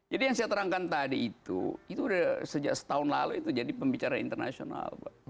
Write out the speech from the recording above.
jadi yang saya terangkan tadi itu itu udah sejak setahun lalu itu jadi pembicaraan internasional